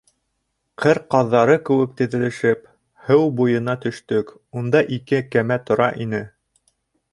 Ҡыр ҡаҙҙары кеүек теҙелешеп, һыу буйына төштөк, унда ике кәмә тора ине.